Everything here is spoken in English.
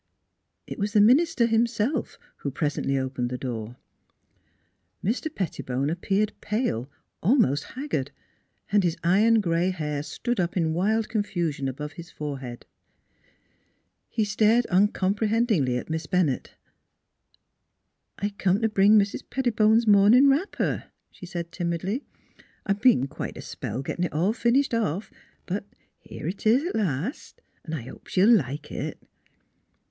It was the minister himself who presently opened the door. Mr. Pettibone appeared pale, almost haggard, and his iron gray hair stood up in wild confusion above his forehead. He stared uncomprehendingly at Miss Bennett. " I come t' bring Mis' Pettibone's mornin' wrap per," she said timidly. " I b'en quite a spell gettin' i 4 NEIGHBORS it all finished off; but here 'tis at last, V I hope she'll like it."